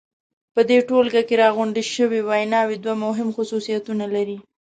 په دې ټولګه کې راغونډې شوې ویناوی دوه مهم خصوصیتونه لري.